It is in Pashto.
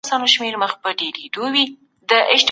خپل کور ته د لمر رڼا په هر وخت کي پرېږدئ.